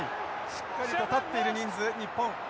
しっかりと立っている人数日本います。